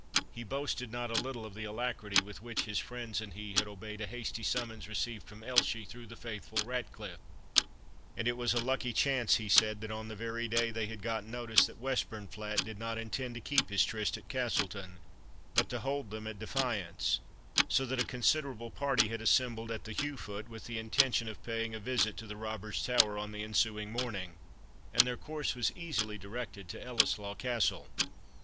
He boasted not a little of the alacrity with which his friends and he had obeyed a hasty summons received from Elshie through the faithful Ratcliffe. And it was a lucky chance, he said, that on that very day they had got notice that Westburnflat did not intend to keep his tryste at Castleton, but to hold them at defiance; so that a considerable party had assembled at the Heugh foot, with the intention of paying a visit to the robber's tower on the ensuing morning, and their course was easily directed to Ellieslaw Castle.